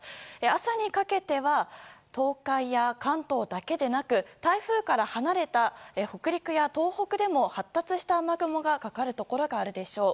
朝にかけては東海や関東だけでなく台風から離れた北陸や東北でも発達した雨雲がかかるところがあるでしょう。